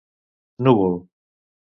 Núvol: